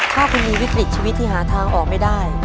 ถ้าคุณมีวิกฤตชีวิตที่หาทางออกไม่ได้